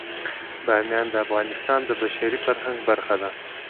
بامیان د افغانستان د بشري فرهنګ برخه ده.